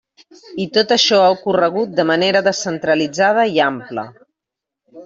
I tot això ha ocorregut de manera descentralitzada i ampla.